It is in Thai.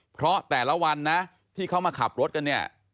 เพราะแต่ละวันนะที่เขามาขับรถกันเนี่ย